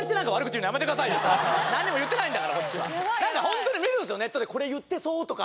本当に見るんですよ、ネットで、これ言ってそうとか。